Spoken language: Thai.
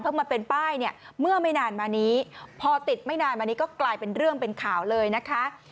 มาเป็นป้ายเนี่ยเมื่อไม่นานมานี้พอติดไม่นานมานี้ก็กลายเป็นเรื่องเป็นข่าวเลยนะคะ